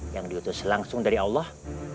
yang diutus langsung dari allah